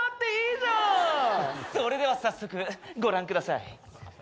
それでは早速ご覧ください。